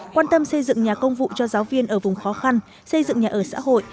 quan tâm xây dựng nhà công vụ cho giáo viên ở vùng khó khăn xây dựng nhà ở xã hội